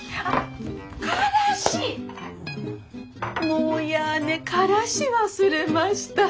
もうやあねからし忘れました。